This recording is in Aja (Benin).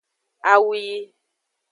Awu yi.